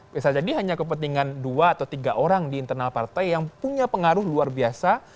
bisa jadi hanya kepentingan dua atau tiga orang di internal partai yang punya pengaruh luar biasa